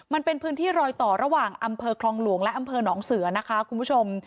มันเป็นพื้นที่รอยต่อระหว่างอำเภอคลองหลวงและอำเภอหนองเสือนะคะคุณผู้ชม